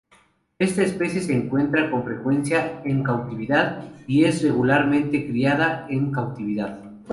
Esta especie se encuentra con frecuencia en cautividad, y es regularmente criada en cautividad.